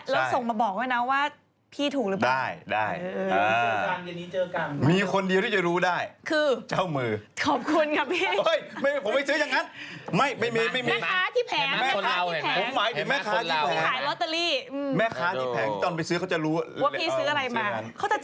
แล้วส่งมาบอกด้วยนะว่าพี่ถูกหรือเปล่า